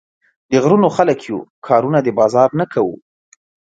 د غرونو خلک يو، کارونه د بازار نۀ کوو